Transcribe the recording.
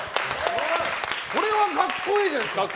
これは格好いいじゃないですか。